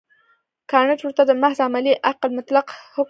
کانټ ورته د محض عملي عقل مطلق حکم وايي.